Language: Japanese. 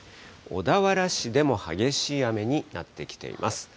小田原市でも激しい雨になってきています。